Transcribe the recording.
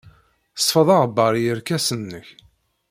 Sfeḍ aɣebbar i yerkasen-nnek.